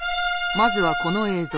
まずはこの映像。